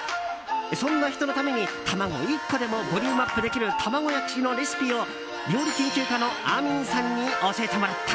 そんな人のために、卵１個でもボリュームアップできる卵焼きのレシピを料理研究家のあみんさんに教えてもらった。